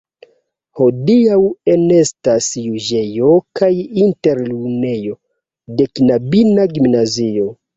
Hodiaŭ enestas juĝejo kaj internulejo de knabina gimnazio.